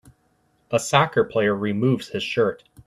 A soccer player removes his shirt.